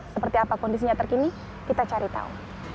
seperti apa kondisinya terkini kita cari tahu